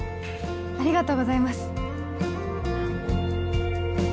ありがとうございます